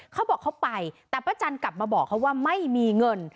เขาบอกเขาไปแต่ป้าจันกลับมาบอกเขาว่าไม่มีเงิน